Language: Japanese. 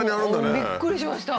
びっくりしました。